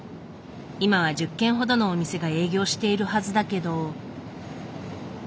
今は１０軒ほどのお店が営業しているはずだけど。